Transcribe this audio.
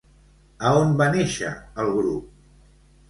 A on va néixer el grup?